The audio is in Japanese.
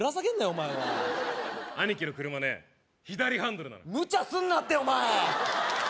お前は兄貴の車ね左ハンドルなのむちゃすんなってお前！